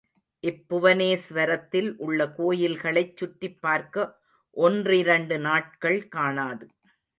இப்புவனேஸ்வரத்தில் உள்ள கோயில்களைச் சுற்றிப் பார்க்க ஒன்றிரண்டு நாட்கள் காணாது.